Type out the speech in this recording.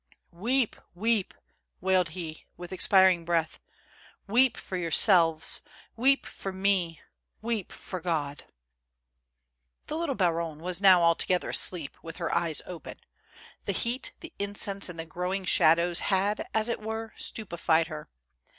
"Weep, weep," wailed he, with expiring breath; " weep for yourselves, weep for me, weep for God !" The little baronne was now altogether asleep, with her eyes open. The heat, the incense and the growing shadows had, as it were, stupefied her.